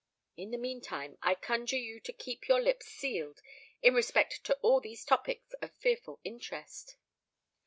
In the meantime, I conjure you to keep your lips sealed in respect to all these topics of fearful interest.